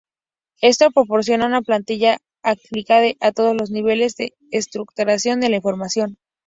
Esto proporciona una plantilla aplicable a todos los niveles de estructuración de la información.